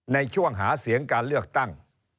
ในช่วงหาเสียงการเลือกตั้ง